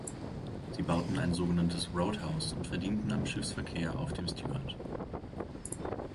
Sie bauten ein sogenanntes Roadhouse und verdienten am Schiffsverkehr auf dem Stewart.